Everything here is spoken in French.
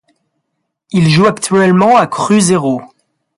Il joue actuellement à Cruzeiro.